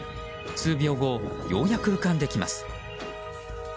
数秒後、ようやく浮かんできます。